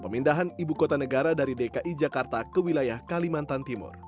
pemindahan ibu kota negara dari dki jakarta ke wilayah kalimantan timur